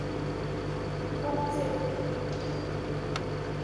Kapceit.